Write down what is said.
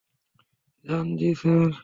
যান, জি স্যার!